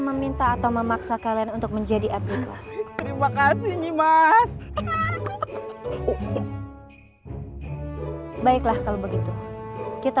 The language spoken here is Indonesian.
meminta atau memaksa kalian untuk menjadi adviva terima kasih nih mas baiklah kalau begitu kita